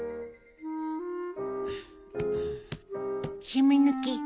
染み抜き？